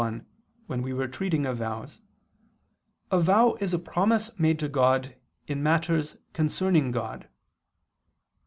1), when we were treating of vows, a vow is a promise made to God in matters concerning God.